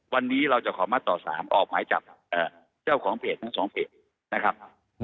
วันนี้เราจะขอมาต่อ๓ออกหมายจับเจ้าของเพจทั้งสองเพจนะครับ